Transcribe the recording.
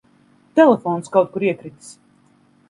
Telefons kaut kur iekritis.